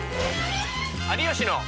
「有吉の」。